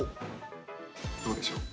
どうでしょう。